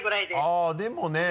あぁでもね。